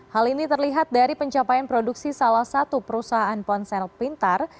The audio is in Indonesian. hal ini terlihat dari pencapaian produksi salah satu perusahaan ponsel pintar